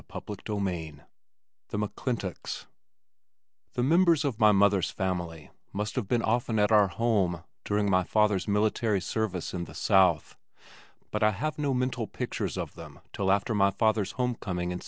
CHAPTER II The McClintocks The members of my mother's family must have been often at our home during my father's military service in the south, but I have no mental pictures of them till after my father's homecoming in '65.